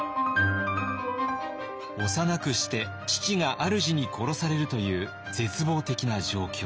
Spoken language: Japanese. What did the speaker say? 幼くして父があるじに殺されるという絶望的な状況。